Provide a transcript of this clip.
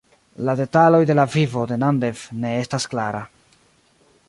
La detaloj de la vivo de Namdev ne estas klara.